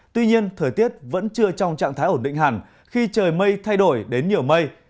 tuy nhiên thời tiết vẫn chưa trong trạng thái ổn định hẳn khi trời mây thay đổi đến nhiều mây